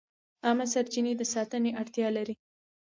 عامه سرچینې د ساتنې اړتیا لري.